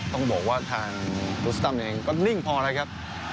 ต้องบอกว่าทางกุศตำนี้ก็นิ่งพอเลยครับ